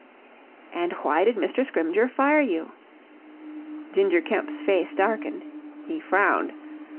"And why did Mr. Scrymgeour fire you?" Ginger Kemp's face darkened. He frowned.